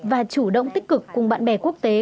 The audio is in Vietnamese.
và chủ động tích cực cùng bạn bè quốc tế